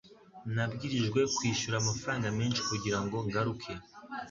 Nabwirijwe kwishyura amafaranga menshi kugirango ngaruke.